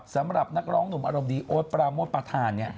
สำหรับนักร้องหนุ่มอารมณ์ดีโอ๊ตปราโมทประธาน